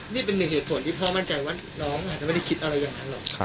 นี่เป็นหนึ่งเหตุผลที่พ่อมั่นใจว่าน้องอาจจะไม่ได้คิดอะไรอย่างนั้นหรอก